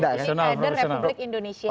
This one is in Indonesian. bukan kader republik indonesia